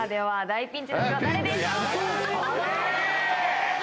はい。